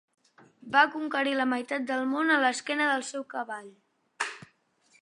Va conquerir la meitat del món a l'esquena del seu cavall.